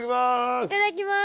いただきまーす。